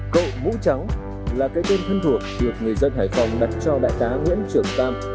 cậu mũ trắng là cái tên thân thuộc được người dân hải phòng đặt cho đại tá nguyễn trường tam